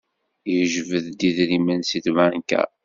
Yejbed-d idrimen seg tbanka.